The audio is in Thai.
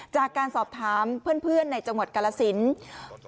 จากการสอบถามเพื่อนในจังหวัดกาลสิน